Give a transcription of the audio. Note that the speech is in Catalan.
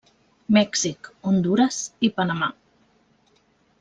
Mèxic, Hondures i Panamà.